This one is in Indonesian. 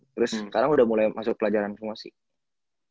terus sekarang udah mulai masuk pelajaran semua sih